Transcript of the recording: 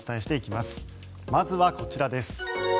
まずはこちらです。